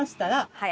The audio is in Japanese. はい。